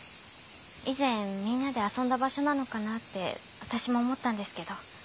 以前みんなで遊んだ場所なのかなって私も思ったんですけど。